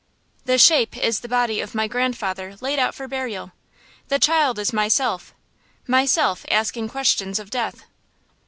The Shape is the body of my grandfather laid out for burial. The child is myself myself asking questions of Death.